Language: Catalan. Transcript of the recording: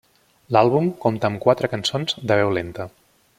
L'àlbum compta amb quatre cançons de veu lenta.